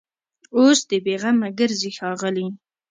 اوس دي بېغمه ګرځي ښاغلي